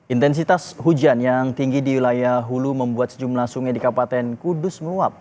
intensitas hujan yang tinggi di wilayah hulu membuat sejumlah sungai di kabupaten kudus meluap